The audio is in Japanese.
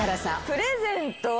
プレゼントは。